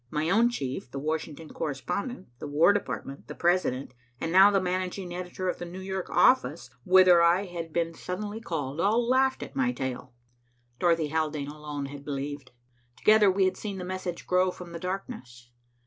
My own chief, the Washington correspondent, the War Department, the President, and now the managing editor of the New York office whither I had been suddenly called all laughed at my tale. Dorothy Haldane alone had believed. Together we had seen the message grow from the darkness.